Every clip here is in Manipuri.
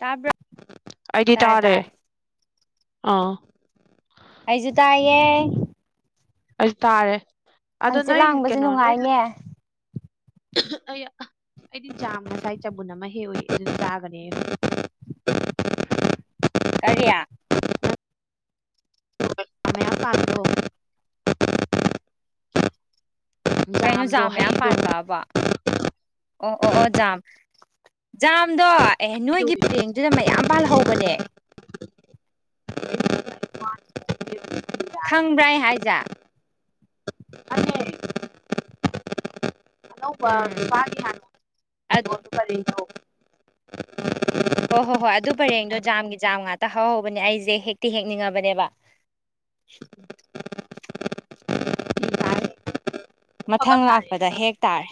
ꯇꯥꯕ꯭ꯔꯣ ꯑꯩꯗꯤ ꯇꯥꯔꯦ ꯑꯥ ꯑꯩꯁꯨ ꯇꯥꯏꯌꯦ ꯑꯩ ꯇꯥꯔꯦ ꯑꯗꯣ ꯍꯪꯆꯤꯠ ꯅꯣꯏ ꯂꯥꯡꯕꯁꯦ ꯀꯩꯅꯣ ꯅꯣꯏ ꯅꯨꯡꯉꯥꯏꯅꯦ ꯑꯩ ꯑꯩꯗꯤ ꯆꯥ ꯉꯁꯥꯏ ꯆꯕꯨꯟ ꯑꯃ ꯍꯦꯛ ꯑꯣꯏ ꯑꯗꯨ ꯆꯥꯒꯅꯤ ꯀꯔꯤꯌꯥ [unintelligible] ꯀꯩꯅꯣ ꯆꯥ ꯖꯥꯝꯗꯣ ꯃꯌꯥꯝ ꯍꯩꯗꯣ ꯄꯥꯟꯕꯕ ꯑꯣ ꯑꯣ ꯑꯣ ꯖꯥꯝ ꯖꯝꯗꯣ ꯑꯦ ꯍꯩꯗꯣ ꯅꯣꯏꯒꯤ ꯄꯡ ꯑꯗꯨꯗ ꯃꯌꯥꯝ ꯄꯥꯜꯍꯧꯕꯅꯦ ꯈꯪꯕ꯭ꯔꯥꯏ ꯑꯩ ꯍꯥꯏꯖꯥꯠ ꯐꯅꯦ ꯑꯅꯧꯕ ꯎꯝ [unintelligible] ꯍꯣ ꯍꯣ ꯍꯣꯏ ꯑꯗꯨ ꯄꯔꯦꯡꯗꯣ ꯖꯥꯝꯒꯤ ꯖꯥꯝ ꯉꯥꯛꯇ ꯍꯍꯧꯕꯅꯦ ꯑꯩꯁꯦ ꯍꯦꯛꯇꯤ ꯍꯦꯛꯅꯤꯡꯉꯕꯅꯦꯕ ꯐꯤ ꯇꯥꯔꯦ ꯎꯐꯛ ꯑꯃ ꯃꯊꯪ ꯇꯥꯔꯦ ꯂꯥꯛꯄꯗ ꯍꯦꯛ ꯇꯥꯔꯦ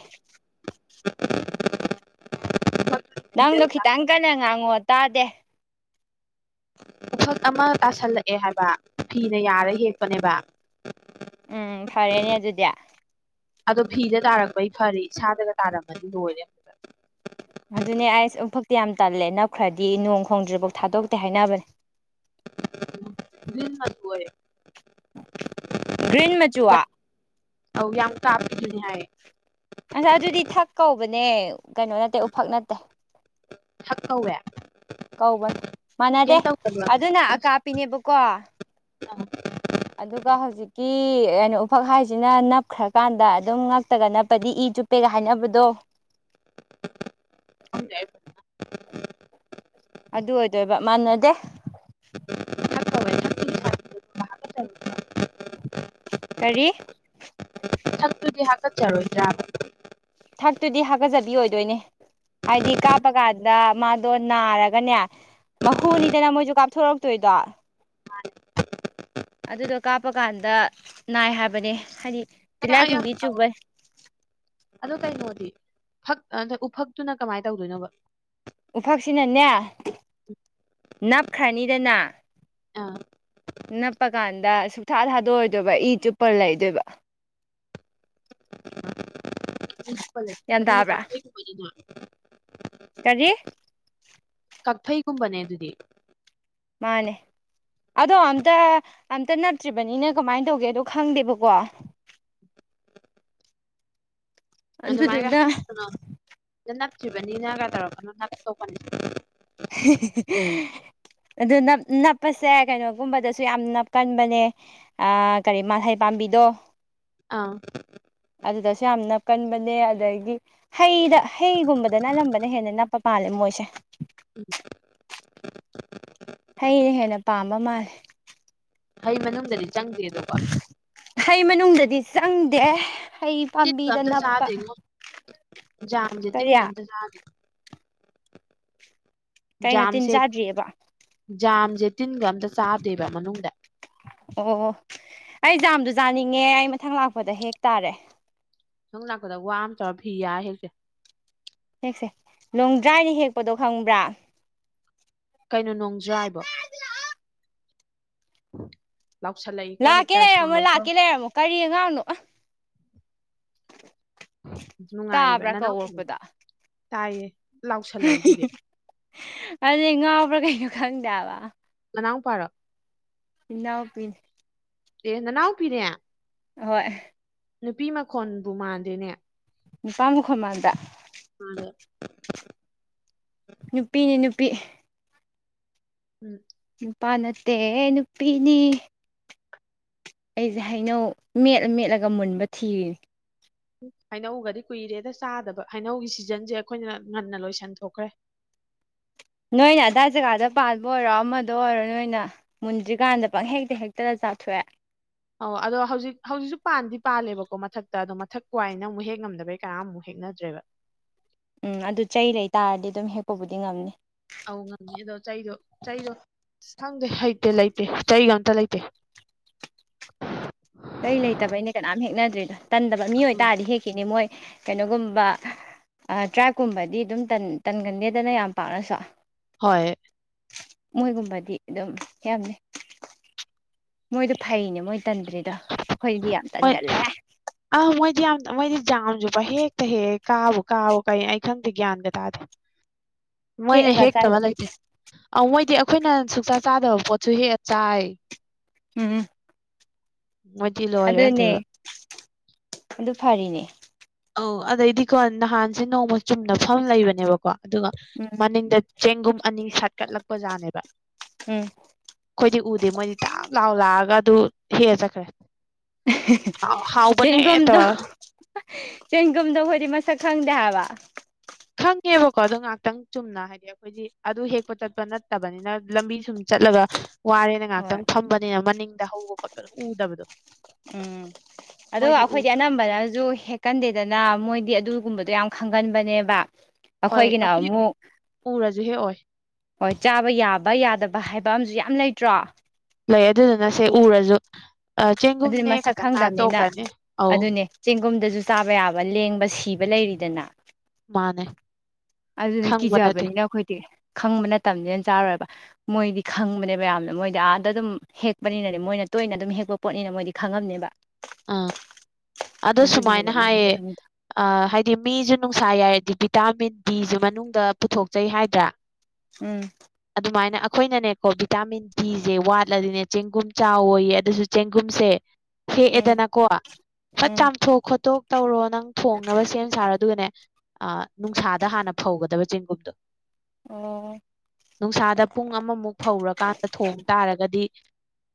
ꯎꯐꯛꯇꯨ ꯐꯤꯗ ꯅꯪꯗꯣ ꯈꯤꯇꯪ ꯇꯥꯁꯜꯂꯛꯄꯩ ꯀꯟꯅ ꯉꯥꯡꯉꯣ ꯇꯥꯗꯦ ꯄꯈꯛ ꯑꯃ ꯇꯥꯁꯜꯂꯛꯑꯦ ꯍꯥꯏꯕ ꯐꯤꯅ ꯌꯥꯔ ꯍꯦꯛꯄꯅꯦꯕ ꯎꯝ ꯐꯔꯦꯅꯦ ꯑꯗꯨꯗꯤ ꯑꯗꯣ ꯐꯤꯗ ꯇꯥꯔꯛꯄꯩ ꯐꯔꯦ ꯏꯁꯥꯗꯒ ꯇꯥꯔꯝꯃꯗꯤ ꯂꯣꯏꯔꯦ ꯑꯗꯨꯅꯦ ꯑꯩꯁ ꯑꯃꯨꯐꯛꯇꯤ ꯌꯥꯝ ꯇꯜꯂꯦ ꯅꯞꯈ꯭ꯔꯗꯤ ꯅꯣꯡ ꯈꯣꯡꯗ꯭ꯔꯤꯐꯥꯎ ꯊꯥꯗꯣꯛꯇꯦ ꯍꯥꯏꯅꯕꯅꯦ [unintelligible] ꯒ꯭ꯔꯤꯟ ꯃꯆꯨꯋꯥ ꯑꯧ ꯌꯥꯝ ꯀꯥꯕꯗꯨꯅꯦ ꯍꯥꯏꯌꯦ ꯉꯁ ꯑꯗꯨꯗꯤ ꯊꯛ ꯀꯧꯕꯅꯦ ꯀꯩꯅꯣ ꯅꯠꯇꯦ ꯎꯐꯛ ꯅꯠꯇꯦ ꯊꯛ ꯀꯧꯋꯦ ꯀꯧꯕꯅꯤ ꯃꯥꯟꯅꯗꯦ ꯀꯩꯝ ꯇꯧꯗꯕ꯭ꯔꯕꯅꯦ ꯑꯗꯨꯅ ꯑꯁ ꯑꯀꯥꯞꯄꯤꯅꯦꯕꯀꯣ [unintelligible] ꯑꯗꯨꯒ ꯍꯧꯖꯤꯛ ꯍꯧꯀꯤ ꯀꯩꯅꯣ ꯎꯐꯛ ꯍꯥꯏꯁꯤꯅ ꯅꯞꯈ꯭ꯔꯀꯥꯟꯗ ꯑꯗꯨꯝ ꯉꯛꯇꯒ ꯅꯞꯄꯗꯤ ꯏ ꯆꯨꯞꯄꯦꯒ ꯍꯥꯏꯅꯕꯗꯣ ꯈꯪꯗꯦ ꯑꯩ ꯐꯖꯅ ꯑꯗꯨ ꯑꯣꯏꯗꯣꯏꯕ ꯃꯥꯟꯅꯗꯦ ꯊꯛ ꯀꯧꯋꯦ ꯊꯛꯇꯨꯗꯤ ꯀꯔꯤ ꯑꯇꯨꯗꯤ ꯍꯥꯀꯠꯆꯔꯣꯏꯗ꯭ꯔꯥꯕ ꯊꯔꯠꯇꯨꯗꯤ ꯍꯥꯒꯠꯆꯕꯤ ꯑꯣꯏꯗꯣꯏꯅꯦ ꯍꯥꯏꯗꯤ ꯀꯥꯞꯄ ꯀꯥꯟꯗ ꯃꯥꯗꯣ ꯅꯥꯔꯒꯅꯦ ꯃꯍꯨꯅꯤꯗꯅ ꯃꯣꯏꯖꯨ ꯀꯥꯞꯊꯣꯔꯛꯇꯣꯏꯗꯣ [inaudible] ꯑꯗꯨꯗꯣ ꯀꯥꯞꯄꯀꯥꯟꯗ ꯅꯥꯏ ꯍꯥꯏꯕꯅꯦ ꯍꯥꯏꯗꯤ ꯇꯤꯜꯍꯥꯏꯈꯨꯝꯕꯤ ꯆꯨꯕꯩ ꯑꯗꯣ ꯀꯩꯅꯣꯗꯤ ꯐꯛ ꯑꯗꯣ ꯎꯐꯛꯇꯨꯅ ꯀꯃꯥꯏꯟ ꯇꯧꯗꯣꯏꯅꯣꯕ ꯎꯐꯛꯁꯤꯅꯅꯦ ꯅꯞꯈ꯭ꯔꯅꯤꯗꯅ ꯑ ꯅꯞꯄ ꯀꯥꯟꯗ ꯁꯨꯡꯛꯊꯥ ꯊꯥꯗꯣꯏꯗꯣꯏꯕ ꯏ ꯆꯨꯞꯄ ꯂꯩꯗꯣꯏꯕ ꯒ꯭ꯌꯥꯟ ꯇꯥꯕ꯭ꯔꯥ [unintelligible] ꯀꯔꯤ ꯀꯛꯐꯩꯒꯨꯝꯕꯅꯦ ꯑꯗꯨꯗꯤ ꯃꯥꯅꯦ ꯑꯗꯣ ꯑꯝꯇꯥ ꯑꯝꯇꯥ ꯅꯞꯇ꯭ꯔꯤꯕꯅꯤꯅ ꯀꯃꯥꯏꯟ ꯇꯧꯒꯦꯗꯣ ꯈꯪꯗꯦꯕꯀꯣ ꯑꯗꯨꯃꯥꯏꯅ ꯑꯗꯨꯗꯨꯅ ꯀꯩꯅꯣ ꯅꯞꯇ꯭ꯔꯤꯕꯅꯤꯅꯒ ꯇꯧꯔꯛꯀꯥꯅꯨ [unintelligible] [unintelligible] ꯑꯗꯨ ꯅꯞ ꯅꯞꯄꯁꯦ ꯀꯩꯅꯣꯒꯨꯝꯕꯗꯁꯨ ꯌꯥꯝ ꯅꯞꯀꯟꯕꯅꯦ ꯑꯥ ꯀꯔꯤ ꯃꯥꯜꯍꯩ ꯄꯥꯝꯕꯤꯗꯣ ꯑꯥ ꯑꯗꯨꯗꯁꯨ ꯌꯥꯝ ꯅꯞꯀꯟꯕꯅꯦ ꯑꯗꯒꯤ ꯍꯩꯗ ꯍꯩꯒꯨꯝꯕꯗ ꯑꯅꯝꯕꯅ ꯍꯦꯟꯅ ꯅꯞꯄ ꯄꯥꯜꯂꯦ ꯃꯣꯏꯁꯦ ꯎꯝ ꯍꯩꯅ ꯍꯦꯟꯅ ꯄꯥꯝꯕ ꯃꯥꯜꯂꯦ ꯍꯩ ꯃꯅꯨꯡꯗꯗꯤ ꯆꯪꯗꯦ ꯑꯗꯣ ꯀꯣ ꯍꯩ ꯃꯅꯨꯡꯗꯗꯤ ꯆꯪꯗꯦ ꯍꯩ ꯄꯥꯝꯕꯤꯗ ꯅꯞꯄ ꯖꯥꯝꯗꯤ ꯀꯔꯤ ꯇꯤꯟꯒ ꯑꯝꯇ ꯆꯥꯗꯦ ꯀꯩꯅꯣ ꯇꯤꯟ ꯖꯥꯝꯁꯦ ꯆꯥꯗ꯭ꯔꯤꯑꯕ ꯖꯥꯝꯁꯦ ꯇꯤꯟꯒ ꯑꯝꯇꯥ ꯆꯥꯗꯦꯕ ꯃꯅꯨꯡꯗ ꯑꯣ ꯑꯩ ꯖꯥꯝꯗꯨ ꯆꯥꯅꯤꯡꯉꯦ ꯑꯩ ꯃꯊꯪ ꯂꯥꯛꯄꯗ ꯍꯦꯛ ꯇꯥꯔꯦ ꯅꯪ ꯂꯛꯄꯗ ꯋꯥ ꯑꯃ ꯇꯧꯔ ꯐꯤ ꯌꯥꯔ ꯍꯦꯛꯁꯦ ꯍꯦꯛꯁꯦ ꯂꯣꯡ ꯗ꯭ꯔꯥꯏꯅ ꯍꯦꯛꯄꯗꯣ ꯈꯪꯕ꯭ꯔꯥ ꯀꯩꯅꯣ ꯅꯣꯡꯖ꯭ꯔꯥꯕꯣ ꯂꯥꯎꯁꯜꯂꯛꯏꯀꯣ ꯂꯥꯛꯀꯦ ꯍꯦꯛꯇꯥ ꯂꯩꯔꯝꯃꯣ ꯁꯥꯡꯉꯣꯏꯀꯣ ꯂꯥꯛꯀꯦ ꯂꯩꯔꯝꯃꯣ ꯀꯔꯤ ꯑꯉꯥꯡꯅꯣ ꯑꯥ ꯅꯨꯡꯉꯥꯏꯔꯤꯕ ꯇꯥꯕ꯭ꯔꯥ ꯅꯅꯥꯎꯄꯥꯔꯣ ꯀꯧꯔꯛꯄꯗꯣ ꯇꯥꯏꯌꯦ ꯂꯥꯎꯁꯜꯂꯛꯏꯗꯨꯗꯤ ꯑꯗꯨꯅꯦ ꯉꯥꯎꯕ꯭ꯔꯥ ꯀꯩꯅꯣ ꯈꯪꯗꯦ ꯍꯥꯏꯕ ꯅꯅꯥꯎ ꯄꯥꯔꯣ ꯏꯅꯥꯎ ꯄꯤꯅꯤ ꯑꯦ ꯅꯅꯥꯎ ꯄꯤꯅꯦ ꯑꯍꯣꯏ ꯅꯨꯄꯤ ꯃꯈꯣꯟꯕꯨ ꯃꯥꯟꯗꯦꯅꯦ ꯅꯨꯄꯥ ꯃꯈꯣꯟ ꯃꯥꯟꯕ꯭ꯔꯥ ꯃꯥꯜꯂꯦ ꯅꯨꯄꯤꯅꯤ ꯅꯨꯄꯤ ꯎꯝ ꯅꯨꯄꯥ ꯅꯠꯇꯦ ꯅꯨꯄꯤꯅꯤ ꯑꯩꯁꯦ ꯍꯩꯅꯧ ꯃꯦꯠꯂ ꯃꯦꯠꯂꯒ ꯃꯨꯟꯕ ꯊꯤꯔꯤꯅꯦ ꯍꯩꯅꯧꯒꯗꯤ ꯀꯨꯏꯔꯦꯗ ꯆꯥꯗꯕ ꯍꯩꯅꯧꯒꯤ ꯁꯤꯖꯟꯁꯦ ꯑꯩꯈꯣꯏꯅ ꯉꯟꯅ ꯂꯣꯏꯁꯟ ꯊꯣꯛꯈ꯭ꯔꯦ ꯅꯣꯏꯅ ꯑꯗꯥꯏ ꯖꯒꯥꯗ ꯄꯥꯟꯕ ꯑꯣꯏꯔꯣ ꯑꯃꯗ ꯑꯣꯏꯔꯣ ꯅꯣꯏꯅ ꯃꯨꯟꯗ꯭ꯔꯤꯀꯥꯟꯗ ꯄꯪ ꯍꯦꯛꯇ ꯍꯦꯛꯇꯅ ꯆꯥꯊꯣꯛꯑꯦ ꯑꯣ ꯑꯗꯣ ꯍꯧꯖꯤꯛ ꯍꯧꯖꯤꯛꯁꯨ ꯄꯥꯟꯗꯤ ꯄꯥꯜꯂꯦꯕꯀꯣ ꯃꯊꯛꯇ ꯑꯗꯣ ꯃꯊꯛ ꯋꯥꯏꯅ ꯑꯃꯨꯛ ꯍꯦꯛ ꯉꯝꯗꯕꯩ ꯀꯅꯥꯃꯨꯛ ꯍꯦꯛꯅꯗ꯭ꯔꯦꯕ ꯎꯝ ꯑꯗꯨ ꯆꯩ ꯂꯩ ꯇꯥꯔꯗꯤ ꯑꯗꯨꯝ ꯍꯦꯛꯄꯕꯨꯗꯤ ꯉꯝꯅꯤ ꯑꯧ ꯉꯥꯝꯅꯤꯑꯗꯣ ꯆꯩꯗꯣ ꯆꯩꯗꯣ ꯈꯪꯗꯦ ꯍꯩꯇꯦ ꯂꯩꯇꯦ ꯆꯩꯒ ꯑꯝꯇ ꯂꯩꯇꯦ ꯆꯩ ꯂꯩꯇꯕꯒꯤꯅꯦ ꯀꯅꯥꯝ ꯍꯦꯛꯅꯗ꯭ꯔꯤꯗꯣ ꯇꯟꯗꯕ ꯃꯤ ꯑꯣꯏ ꯇꯥꯔꯗꯤ ꯍꯦꯛꯈꯤꯅꯤ ꯃꯣꯏ ꯀꯩꯅꯣꯒꯨꯝꯕ ꯇ꯭ꯔꯥꯏꯀꯨꯝꯕꯗꯤ ꯑꯗꯨꯝ ꯇꯟꯒꯟꯗꯦꯗꯅ ꯌꯥꯝ ꯄꯥꯛꯅꯁꯨ ꯍꯣꯏ ꯃꯣꯏꯒꯨꯝꯕꯗꯤ ꯑꯗꯨꯝ ꯍꯦꯛꯑꯝꯅꯤ ꯃꯣꯏꯗꯣ ꯐꯩꯅꯦ ꯃꯣꯏ ꯇꯟꯗ꯭ꯔꯤꯗꯣ ꯑꯩꯈꯣꯏꯗꯤ ꯌꯥꯝ ꯇꯟꯒꯜꯂꯦ ꯑꯥ ꯃꯣꯏꯗꯤ ꯌꯥꯝ ꯃꯣꯏꯗꯤ ꯖꯥꯝꯁꯨ ꯄꯪꯍꯦꯛꯇ ꯍꯦꯛꯑꯦ ꯀꯥꯕꯨ ꯀꯥꯎ ꯀꯩ ꯑꯩ ꯈꯪꯗꯦ ꯒ꯭ꯌꯥꯟꯗ ꯇꯥꯗꯦ ꯃꯣꯏꯅꯦ ꯍꯦꯛꯑꯒ ꯍꯦꯛꯇꯕ ꯆꯥꯏꯕ ꯂꯩꯇꯦ ꯑꯧ ꯃꯣꯏꯗꯤ ꯑꯩꯈꯣꯏꯅ ꯁꯨꯛꯆꯥ ꯆꯥꯗꯕ ꯄꯣꯠꯁꯨ ꯍꯦꯛꯑ ꯆꯥꯏ ꯎꯝ ꯃꯣꯢꯗꯤ ꯑꯗꯨꯅꯦ ꯑꯗꯨ ꯐꯔꯤꯅꯦ ꯑꯧ ꯑꯗꯩꯗꯤꯀꯣ ꯅꯍꯥꯟꯁꯦ ꯅꯣꯡꯃ ꯆꯨꯝꯅ ꯐꯝ ꯂꯩꯕꯅꯦꯕꯀꯣ ꯑꯗꯨꯒ ꯎꯝ ꯃꯅꯤꯡꯗ ꯆꯦꯡꯒꯨꯝ ꯑꯅꯤ ꯁꯥꯠꯀꯠꯂꯛꯄꯖꯥꯠꯅꯦꯕ ꯎꯝ ꯑꯩꯈꯣꯏꯗꯤ ꯎꯗꯦ ꯃꯣꯏꯗꯤ ꯇꯞ ꯂꯥꯎ ꯂꯥꯛꯑꯒ ꯑꯗꯨ ꯍꯦꯛꯂ ꯆꯠꯈ꯭ꯔꯦ ꯍꯥꯎꯕꯅꯦ ꯆꯦꯡꯒꯨꯝꯗꯣ ꯇꯧꯔꯒ ꯆꯦꯡꯒꯨꯝꯗꯣ ꯑꯩꯈꯣꯏꯗꯤ ꯃꯁꯛ ꯈꯪꯗꯦ ꯍꯥꯏꯕ ꯈꯪꯉꯦꯕꯀꯣ ꯑꯗ ꯉꯍꯥꯛꯇꯪ ꯆꯨꯝꯅ ꯍꯥꯏꯗꯤ ꯑꯥ ꯍꯥꯏꯗꯤ ꯑꯗꯨ ꯍꯦꯛꯄ ꯆꯠꯄ ꯅꯠꯇꯕꯅꯤꯅ ꯂꯝꯕꯤ ꯁꯨꯝ ꯆꯠꯂꯒ ꯋꯥꯔꯦꯅ ꯍꯣꯏ ꯉꯥꯏꯍꯥꯛꯇꯪ ꯐꯝꯕꯅꯤꯅ ꯃꯅꯤꯡꯗ ꯍꯧꯕ ꯈꯣꯠꯄꯗꯣ ꯎꯗꯕꯗꯣ ꯎꯝ ꯑꯗꯨꯒ ꯃꯣꯏꯗꯤ ꯎ ꯑꯩꯈꯣꯏꯗꯤ ꯑꯅꯝꯕꯅꯁꯨ ꯍꯦꯛ ꯀꯟꯗꯦꯗꯅ ꯃꯣꯏꯗꯤ ꯑꯗꯨꯒꯨꯝꯕꯗꯣ ꯌꯥꯝ ꯈꯪꯒꯟꯕꯅꯦꯕ ꯍꯣꯏ ꯑꯩꯈꯣꯏꯒꯤꯅ ꯑꯩꯈꯣꯏꯗꯤ ꯑꯃꯨꯛ ꯎꯔꯁꯨ ꯍꯦꯛꯑꯣꯏ ꯍꯣꯏ ꯆꯥꯕ ꯌꯥꯕ ꯌꯥꯗꯕ ꯍꯥꯏꯕ ꯑꯃꯁꯨ ꯌꯥꯝ ꯂꯩꯇ꯭ꯔꯣ ꯂꯩ ꯑꯗꯨꯗꯨꯅ ꯁꯦ ꯎꯔꯁꯨ ꯑꯗꯨꯗꯤ ꯆꯦꯡꯒꯨꯝꯅꯦ ꯃꯁꯛ ꯈꯇꯪ ꯉꯥꯛ ꯍꯥꯢꯔ ꯈꯪꯗꯕꯅꯤꯅ ꯇꯣꯛꯈ꯭ꯔꯅꯤ ꯑꯧ ꯑꯗꯨꯅꯦ ꯆꯦꯡꯒꯨꯝꯗꯁꯨ ꯆꯥꯕ ꯌꯥꯕ ꯂꯦꯡꯕ ꯁꯤꯕ ꯂꯩꯔꯤꯗꯅ ꯃꯥꯅꯦ ꯑꯗꯨꯅ ꯈꯪꯕ ꯅꯠꯇꯦ ꯀꯤꯖꯕꯅꯤꯅ ꯑꯩꯈꯣꯏꯗꯤ ꯈꯪꯕ ꯅꯠꯇꯝꯅꯤꯅ ꯆꯥꯔꯣꯏꯕ ꯃꯣꯏꯗꯤ ꯈꯪꯕꯅꯦꯕ ꯌꯥꯝꯅ ꯃꯣꯏꯗꯤ ꯑꯥꯗ ꯑꯗꯨꯝ ꯍꯦꯛꯄꯅꯤꯅꯅꯦ ꯃꯣꯏꯅ ꯇꯣꯏꯅ ꯑꯗꯨꯝ ꯍꯦꯛꯄ ꯄꯣꯠꯅꯤꯅ ꯃꯣꯏꯗꯤ ꯈꯪꯉꯝꯅꯦꯕ ꯑꯥ ꯑꯗꯣ ꯁꯨꯃꯥꯏꯅ ꯑꯗꯨꯒꯤꯅꯦꯕ ꯃꯣꯏꯅ ꯍꯥꯏꯌꯦ ꯈꯪꯉꯤꯗꯣ ꯑ ꯍꯥꯏꯗꯤ ꯃꯤꯁꯨ ꯅꯨꯡꯁꯥ ꯌꯥꯏꯔꯗꯤ ꯚꯤꯇꯥꯃꯤꯟ ꯕꯤꯁꯨ ꯃꯅꯨꯡꯗ ꯄꯨꯊꯣꯛꯆꯩ ꯍꯥꯏꯗ꯭ꯔꯥ [inaudible] ꯎꯝ ꯑꯗꯨꯃꯥꯏꯅ ꯑꯩꯈꯣꯏꯅꯅꯦꯀꯣ ꯚꯤꯇꯥꯃꯤꯟ ꯕꯤꯖꯦ ꯋꯥꯠꯂꯗꯤꯅꯦ ꯆꯦꯡꯒꯨꯝ ꯆꯥꯎꯌꯦ ꯑꯗꯨꯁꯨ ꯆꯦꯡꯒꯨꯝꯁꯦ ꯎꯝ ꯍꯦꯛꯑꯦꯗꯅꯀꯣ ꯆꯠ ꯎꯝ ꯆꯥꯝꯊꯣꯛ ꯈꯣꯠꯇꯣꯛ ꯇꯧꯔꯣ ꯅꯪ ꯊꯣꯡꯅꯕ ꯁꯦꯝ ꯁꯥꯔꯣ ꯑꯗꯨꯒꯅꯦ ꯅꯨꯡꯁꯥꯗ ꯍꯥꯟꯅ ꯐꯧꯒꯗꯕ ꯆꯦꯡꯒꯨꯝꯗꯣ ꯑꯣ ꯅꯨꯡꯁꯥꯗ ꯄꯨꯡ ꯑꯃꯃꯨꯛ ꯐꯧꯔꯀꯥꯟꯗ ꯊꯣꯡ ꯇꯥꯔꯒꯗꯤ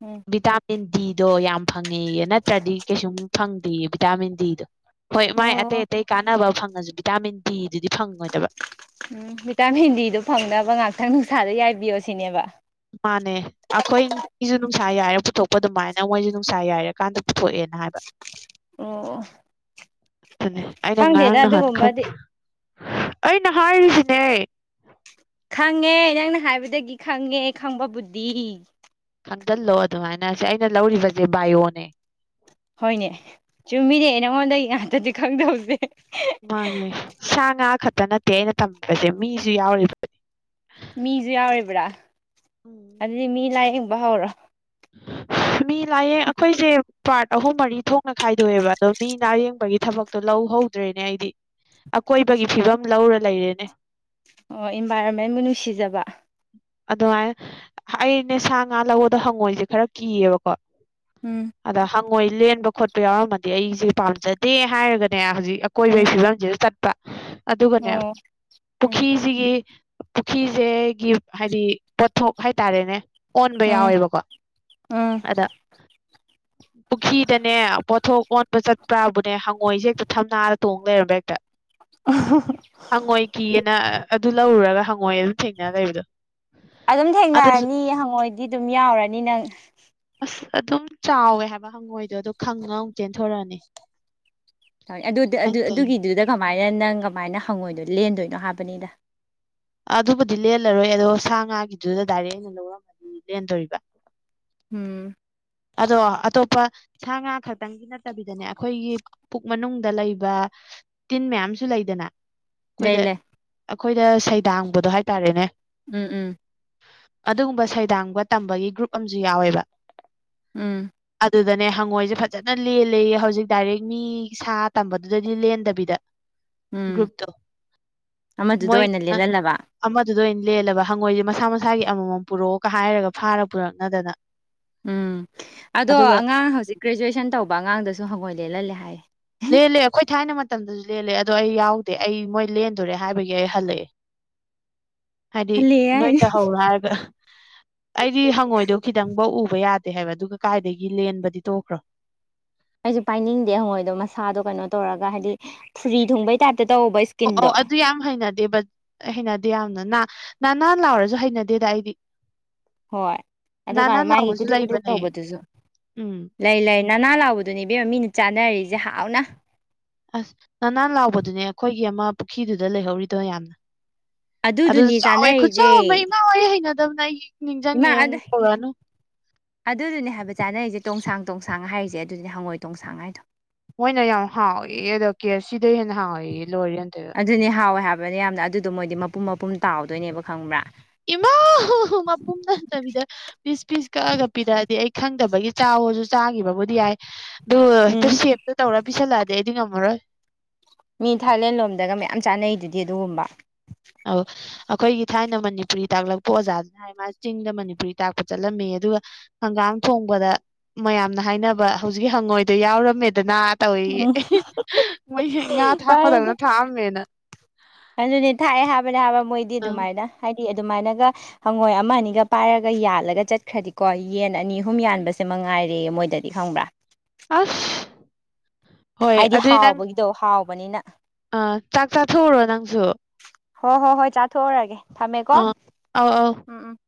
ꯎꯝ ꯚꯤꯇꯥꯃꯤꯟ ꯗꯤꯗꯣ ꯌꯥꯝ ꯐꯪꯉꯦꯌꯦ ꯅꯠꯇ꯭ꯔꯗꯤ ꯀꯩꯁꯨꯝ ꯐꯪꯗꯦ ꯚꯤꯇꯥꯃꯤꯟ ꯗꯤꯗꯣ ꯍꯣꯏ ꯃꯥꯏ ꯑꯇꯩ ꯑꯣ ꯑꯇꯩ ꯀꯥꯟꯅꯕ ꯐꯪꯉꯁꯨ ꯚꯤꯇꯥꯃꯤꯟ ꯗꯤꯗꯨꯗꯤ ꯐꯪꯉꯣꯏꯗꯕ ꯚꯤꯇꯥꯃꯤꯟ ꯗꯤꯗꯣ ꯐꯪꯅꯕ ꯉꯥꯛꯇꯪ ꯅꯨꯡꯁꯥꯗ ꯌꯥꯏꯕꯤꯌꯣ ꯁꯤꯅꯦꯕ ꯃꯥꯅꯦ ꯑꯩꯈꯣꯏ ꯃꯤꯁꯨ ꯅꯨꯡꯁꯥ ꯌꯥꯏꯔ ꯄꯨꯊꯣꯛꯄ ꯑꯗꯨꯃꯥꯏꯅ ꯃꯣꯏꯁꯨ ꯅꯨꯡꯁꯥ ꯌꯥꯏꯔꯀꯥꯟꯗ ꯄꯨꯊꯣꯛꯑꯦꯅ ꯍꯥꯏꯕ [inaudible] ꯑꯣ ꯑꯗꯨ ꯑꯩꯅ ꯈꯪꯗꯦꯗ ꯉꯔꯥꯡ ꯅꯍꯥꯟ ꯑꯗꯨꯒꯨꯝꯕꯗꯤ ꯈꯪꯗꯦ ꯑꯩꯅ ꯍꯥꯏꯔꯤꯁꯤꯅꯦ ꯈꯪꯉꯦ ꯅꯪꯅ ꯍꯥꯏꯕꯗꯒꯤ ꯈꯪꯉꯦ ꯈꯪꯕꯕꯨꯗꯤ ꯈꯪꯖꯤꯜꯂꯣ ꯑꯗꯨꯃꯥꯏꯅ ꯁꯤ ꯑꯩꯅ ꯂꯧꯔꯤꯕꯁꯦ ꯕꯥꯏꯑꯣꯅꯦ ꯍꯣꯏꯅꯦ ꯆꯨꯝꯃꯤꯅꯦ ꯅꯪꯉꯣꯟꯗꯒꯤ ꯉꯥꯛꯇꯗꯤ ꯈꯪꯗꯧꯁꯦ ꯃꯥꯅꯦ ꯁꯥ ꯉꯥ ꯈꯛꯇ ꯅꯠꯇꯦ ꯑꯩꯅ ꯇꯝꯃꯤꯕꯁꯦ ꯃꯤꯁꯨ ꯌꯥꯎꯔꯤꯕ ꯃꯤꯖꯨ ꯌꯥꯎꯔꯤꯕ꯭ꯔꯥ ꯎꯝ ꯑꯗꯨꯗꯤ ꯃꯤ ꯂꯥꯏꯌꯦꯡꯕ ꯍꯧꯔꯣ [unintelligible] ꯃꯤ ꯂꯥꯏꯌꯦꯡ ꯑꯩꯈꯣꯏꯁꯦ ꯄꯥꯔꯠ ꯑꯍꯨꯝ ꯃꯔꯤ ꯊꯣꯛꯅ ꯈꯥꯏꯗꯣꯛꯑꯦꯕ ꯑꯗꯣ ꯃꯤ ꯂꯥꯏꯌꯦꯡꯕꯒꯤ ꯊꯕꯛ ꯇꯣ ꯂꯧꯍꯧꯗ꯭ꯔꯦꯅꯦ ꯑꯩꯗꯤ ꯑꯀꯣꯏꯕꯒꯤ ꯐꯤꯕꯝ ꯂꯧꯔ ꯂꯩꯔꯦꯅꯦ ꯑꯣ ꯏꯟꯚꯥꯏꯔꯣꯟꯃꯦꯟꯕꯨ ꯅꯨꯡꯁꯤꯖꯕ ꯑꯗꯨꯃꯥꯏꯅ ꯑꯩꯅꯦ ꯁꯥ ꯉꯥ ꯂꯧꯕꯗ ꯍꯪꯉꯣꯏꯖꯦ ꯈꯔ ꯀꯤꯌꯦꯕꯀꯣ ꯎꯝ ꯑꯗ ꯍꯪꯉꯣꯏ ꯂꯦꯟꯕ ꯈꯣꯠꯄ ꯌꯥꯎꯔꯝꯃꯗꯤ ꯑꯩꯁꯦ ꯄꯥꯝꯖꯗꯦ ꯍꯥꯏꯔꯒꯅꯦ ꯍꯧꯖꯤꯛ ꯎꯝ ꯀꯣꯏꯕꯒꯤ ꯐꯤꯕꯝꯁꯤꯗ ꯆꯠꯄ ꯑꯗꯨꯒꯅꯦ ꯑꯣ ꯎꯝ ꯄꯨꯈꯤ ꯁꯤꯒꯤ ꯄꯨꯈꯤꯖꯦꯒꯤ ꯍꯥꯏꯗꯤ ꯄꯣꯠꯊꯣꯛ ꯍꯥꯏꯇꯥꯔꯦꯅꯦ ꯑꯣꯟꯕ ꯎꯝ ꯌꯥꯎꯋꯦꯕꯀꯣ ꯎꯝ ꯑꯗ ꯄꯨꯈꯤꯗꯅꯦ ꯄꯣꯠꯊꯣꯛ ꯑꯣꯟꯕ ꯆꯠꯄ꯭ꯔꯥꯕꯨꯅꯦ ꯍꯪꯉꯣꯏꯁꯦ ꯍꯦꯛꯇ ꯊꯝꯅꯥꯗ ꯇꯣꯡ ꯂꯩꯔꯝꯕ ꯍꯦꯛꯇ ꯑ ꯍꯪꯉꯣꯏ ꯀꯤꯑꯦꯅ ꯑꯗꯨ ꯂꯧꯔꯨꯔꯒ ꯍꯪꯉꯣꯏ ꯑꯗꯨꯝ ꯊꯦꯡꯅꯔ ꯂꯩꯕꯗꯣ ꯑꯗꯨꯝ ꯑꯗꯨꯁꯨ ꯊꯦꯡꯅꯔꯅꯤ ꯍꯪꯉꯣꯏꯗꯤ ꯑꯗꯨꯝ ꯌꯥꯎꯔꯅꯤ ꯅꯪ ꯑꯁ ꯑꯗꯨꯝ ꯆꯥꯎꯋꯦ ꯍꯥꯏꯕ ꯍꯪꯉꯣꯏꯗꯣ ꯑꯗꯨ ꯈꯪꯉꯒ ꯑꯃꯨꯛ ꯆꯦꯟꯊꯣꯔꯛꯑꯅꯤ ꯑꯗꯨ ꯑꯗꯨ ꯑꯗꯨꯒꯤꯗꯨꯗ ꯀꯃꯥꯏꯅ ꯅꯪ ꯀꯃꯥꯏꯅ ꯍꯪꯉꯣꯏꯗꯣ ꯂꯦꯟꯗꯣꯏꯅꯣ ꯍꯥꯏꯕꯅꯤꯗ ꯑꯗꯨꯕꯨꯗꯤ ꯂꯦꯜꯂꯔꯣꯏ ꯑꯗꯣ ꯁꯥ ꯉꯥꯒꯤꯗꯨꯗ ꯗꯥꯏꯔꯦꯛ ꯑꯩꯅ ꯂꯧꯔꯝꯃꯗꯤ ꯂꯦꯟꯗꯣꯔꯤꯕ ꯎꯝ ꯑꯗꯣ ꯑꯇꯣꯞꯄ ꯁꯥ ꯉꯥ ꯈꯛꯇꯪ ꯅꯠꯇꯕꯤꯗꯅꯦ ꯑꯩꯈꯣꯏꯒꯤ ꯄꯨꯛ ꯃꯅꯨꯡꯗ ꯂꯩꯕ ꯇꯤꯟ ꯃꯌꯥꯝꯁꯨ ꯂꯩꯗꯅ ꯂꯩ ꯑꯩꯈꯣꯏꯗ ꯂꯩ ꯑꯩꯈꯣꯏꯗ ꯁꯩꯗꯥꯡꯕꯗꯣ ꯍꯥꯏꯇꯥꯔꯦꯅꯦ ꯎꯝ ꯎꯝ ꯑꯗꯨꯒꯨꯝꯕ ꯁꯩꯗꯥꯡꯕ ꯇꯝꯕꯒꯤ ꯒ꯭ꯔꯨꯞ ꯑꯃꯁꯨ ꯌꯥꯎꯋꯦꯕ ꯎꯝ ꯑꯗꯨꯗꯅꯦ ꯍꯪꯉꯣꯏꯁꯦ ꯐꯖꯅ ꯂꯦꯜꯂꯦꯌꯦ ꯍꯧꯖꯤꯛ ꯗꯥꯏꯔꯦꯛ ꯃꯤ ꯁꯥ ꯇꯝꯕꯗꯨꯗꯗꯤ ꯂꯦꯟꯗꯕꯤꯗ ꯎꯝ ꯒ꯭ꯔꯨꯞꯇꯨ ꯑꯃꯗꯨꯗ ꯑꯣꯏꯅ ꯃꯣꯏꯅ ꯂꯦꯜꯍꯜꯂꯕ ꯑꯃꯗꯨꯗ ꯑꯣꯏꯅ ꯂꯦꯜꯂꯕ ꯍꯪꯉꯣꯏꯁꯦ ꯃꯁꯥ ꯃꯁꯥꯒꯤ ꯑꯃꯃꯝ ꯄꯨꯔꯛꯑꯣꯒ ꯍꯥꯏꯔꯒ ꯐꯥꯔ ꯄꯨꯔꯛꯅꯗꯅ ꯎꯝ ꯑꯗꯣ ꯑꯗꯨꯒ ꯑꯉꯥꯡ ꯍꯧꯖꯤꯛ ꯒ꯭ꯔꯦꯖꯨꯋꯦꯁꯟ ꯇꯧꯕ ꯑꯉꯥꯡꯗꯁꯨ ꯍꯪꯒꯣꯏ ꯂꯦꯜꯍꯜꯂꯦ ꯍꯥꯏꯌꯦ ꯂꯦꯜꯂꯦ ꯑꯩꯈꯣꯏ ꯊꯥꯏꯅ ꯃꯇꯝꯗꯁꯨ ꯂꯦꯜꯂꯦ ꯑꯗꯣ ꯑꯩ ꯌꯥꯎꯗꯦ ꯑꯩ ꯃꯣꯏ ꯂꯦꯟꯗꯣꯔꯦ ꯍꯥꯏꯕꯒꯤ ꯑꯩ ꯍꯜꯂꯛꯑꯦ ꯍꯥꯏꯗꯤ ꯍꯜꯂꯦ ꯅꯣꯏ ꯍꯥꯏꯅꯤ ꯇꯍꯧꯔꯣ ꯍꯥꯏꯔꯒ ꯑꯩꯗꯤ ꯍꯪꯉꯣꯏꯗꯣ ꯈꯤꯇꯪꯐꯧ ꯎꯕ ꯌꯥꯗꯦ ꯍꯥꯏꯕ ꯑꯗꯨꯒ ꯀꯥꯏꯗꯒꯤ ꯂꯦꯟꯕꯗꯤ ꯇꯣꯛꯈ꯭ꯔꯣ ꯑꯩꯁꯨ ꯄꯥꯏꯅꯤꯡꯗꯦ ꯍꯪꯉꯣꯏꯗꯣ ꯃꯁꯥꯗꯣ ꯀꯩꯅꯣ ꯇꯧꯔꯒ ꯍꯥꯏꯗꯤ ꯐꯨꯔꯤ ꯊꯨꯡꯕꯩ ꯇꯥꯏꯞꯇ ꯇꯧꯕ ꯑꯣ ꯏꯁꯀꯤꯟꯗꯣ ꯑꯗꯨ ꯌꯥꯝ ꯍꯩꯅꯗꯦꯕ ꯑꯩ ꯍꯩꯅꯗꯦ ꯌꯥꯝꯅ ꯅꯥꯟ ꯅꯥꯟ ꯂꯥꯎꯔꯁꯨ ꯍꯩꯅꯗꯦꯗ ꯑꯩꯗꯤ ꯍꯣꯏ ꯅꯥꯟ ꯅꯥꯟ ꯑꯗꯨꯀꯥꯟꯗ ꯃꯥꯒꯤ ꯂꯥꯎꯕꯁꯨ ꯀꯨꯇꯔꯨꯛ ꯀꯨꯇꯔꯨꯛ ꯂꯩꯕꯅꯦ ꯇꯧꯕꯗꯨꯁꯨ ꯎꯝ ꯂꯩ ꯂꯩ ꯅꯅꯥꯟ ꯂꯥꯎꯕꯗꯨꯅꯦ ꯏꯕꯦꯝꯃ ꯃꯤꯅ ꯆꯥꯅꯔꯤꯁꯦ ꯍꯥꯎꯅ ꯑꯁ ꯅꯅꯥꯟ ꯂꯥꯎꯕꯗꯨꯅꯦ ꯑꯩꯈꯣꯏꯒꯤ ꯑꯃ ꯄꯨꯈ꯭ꯔꯤꯗꯨꯗ ꯂꯩꯍꯧꯔꯤꯗꯣ ꯌꯥꯝꯅ ꯑꯗꯨꯁꯨ ꯑꯗꯨꯗꯨꯅꯤ ꯆꯥꯎꯋꯦ ꯈꯨꯠ ꯆꯥꯎꯕ ꯑꯃ ꯆꯥꯅꯔꯤꯁꯦ ꯏꯃꯥ ꯑꯩ ꯍꯩꯅꯗꯕꯅ ꯑꯩꯒꯤ ꯅꯤꯡꯁꯤꯡꯉꯦ ꯏꯃꯥ ꯑꯗꯨ ꯑꯃꯨꯛ ꯇꯧꯔꯛꯑꯅꯨ ꯑꯗꯨꯗꯨꯅꯦ ꯍꯥꯏꯕ ꯆꯥꯅꯔꯤꯁꯦ ꯇꯣꯡꯁꯥꯡ ꯇꯣꯡꯁꯥꯡ ꯍꯥꯏꯔꯤꯁꯦ ꯑꯗꯨꯅꯦ ꯍꯪꯒꯣꯏ ꯇꯣꯡꯁꯥꯡ ꯍꯥꯏꯗꯣ ꯃꯣꯏꯅ ꯌꯥꯝ ꯍꯥꯎꯌꯦ ꯑꯗꯣ ꯀꯦꯞꯁꯤꯗꯩ ꯍꯦꯟꯅ ꯍꯥꯎꯋꯦꯌꯦ ꯂꯣꯏꯔꯦ ꯑꯟꯇꯣꯏꯕ ꯑꯗꯨꯅꯤ ꯍꯥꯎꯋꯦ ꯍꯥꯏꯕꯅ ꯌꯥꯝꯅ ꯑꯗꯨꯗꯣ ꯃꯣꯏꯗꯤ ꯃꯄꯨꯝ ꯃꯄꯨꯝ ꯇꯥꯎꯗꯣꯏꯅꯦꯕ ꯈꯪꯕ꯭ꯔꯥ ꯏꯃꯥꯎ ꯃꯄꯨꯝꯗ ꯅꯠꯇꯕꯤꯗ ꯄꯤꯁ ꯄꯤꯁ ꯀꯛꯑꯒ ꯄꯤꯔꯛꯑꯗꯤ ꯑꯩ ꯈꯪꯗꯕꯒꯤ ꯆꯥꯎꯁꯨ ꯆꯥꯈꯤꯕꯕꯨꯗꯤ ꯌꯥꯏ ꯑꯗꯣ ꯍꯦꯛꯇ ꯎꯝ ꯁꯦꯞꯇꯣ ꯇꯧꯔ ꯄꯤꯁꯜꯂꯛꯑꯗꯤ ꯑꯩ ꯗꯤ ꯉꯝꯃꯔꯣꯏ ꯃꯤ ꯊꯥꯏꯂꯦꯟ ꯂꯣꯝꯗꯒ ꯃꯌꯥꯝ ꯆꯥꯅꯩꯗꯨꯗꯤ ꯑꯗꯨꯒꯨꯝꯕ ꯑꯧ ꯑꯩꯈꯣꯏꯒꯤ ꯊꯥꯏꯅ ꯃꯅꯤꯄꯨꯔꯤ ꯇꯥꯛꯂꯛꯄ ꯑꯣꯖꯥꯗꯨꯅ ꯃꯥ ꯆꯤꯡꯗ ꯃꯅꯤꯄꯨꯔꯤ ꯇꯥꯛꯄ ꯆꯠꯂꯝꯃꯦꯌꯦ ꯑꯗꯨꯒ ꯍꯪꯒꯥꯥꯡ ꯊꯣꯡꯕꯗ ꯃꯌꯥꯝꯅ ꯍꯥꯏꯅꯕ ꯍꯧꯖꯤꯛꯀꯤ ꯍꯪꯉꯣꯏꯗꯣ ꯌꯥꯎꯔꯝꯃꯦꯗꯅ ꯇꯧꯏꯌꯦ ꯎꯝ ꯃꯣꯏꯁꯦ ꯉꯥ ꯊꯥꯛꯄꯗꯧꯅ ꯊꯥꯛꯑꯝꯃꯦꯅ ꯑꯗꯨꯅꯤ ꯊꯥꯛꯑꯦ ꯍꯥꯏꯕꯅꯦ ꯍꯥꯏꯕ ꯃꯣꯏꯗꯤ ꯑꯥ ꯑꯗꯨꯃꯥꯏꯅ ꯍꯥꯏꯗꯤ ꯑꯗꯨꯃꯥꯏꯅꯒ ꯍꯪꯉꯣꯏ ꯑꯃ ꯑꯅꯤꯒ ꯄꯥꯏꯔꯒ ꯌꯥꯜꯂꯒ ꯆꯠꯈ꯭ꯔꯗꯤꯀꯣ ꯌꯦꯟ ꯑꯅꯤ ꯑꯍꯨꯝ ꯌꯥꯟꯕꯁꯦ ꯃꯉꯥꯏꯔꯦꯌꯦ ꯃꯣꯏꯗꯗꯤ ꯈꯪꯕ꯭ꯔꯥ ꯑꯁ ꯍꯣꯏ ꯍꯥꯏꯗꯤ ꯍꯥꯎꯕꯒꯤꯗꯣ ꯍꯥꯎꯕꯅꯤꯅ ꯑꯥ ꯆꯥꯛ ꯆꯥꯊꯣꯛꯎꯔꯣ ꯅꯪꯁꯨ ꯍꯣꯏ ꯍꯣꯏ ꯍꯣꯏ ꯆꯥꯊꯣꯛꯎꯔꯒꯦ ꯊꯝꯃꯦꯀꯣ ꯑ ꯑꯧ ꯑꯧ ꯎꯝ ꯎꯝ